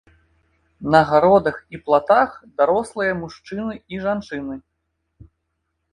На гародах і платах дарослыя мужчыны і жанчыны.